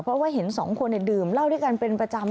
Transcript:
เพราะว่าเห็นสองคนดื่มเหล้าด้วยกันเป็นประจำ